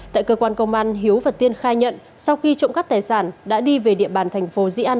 tại cơ quan công an hiếu và tiên khai nhận sau khi trộm cắp tài sản đã đi về địa bàn tp di an